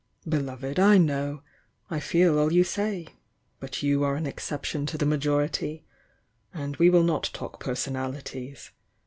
"Beloved, I know! — I feel all you say — but you are an exception to the majority — and we will not talk personalities!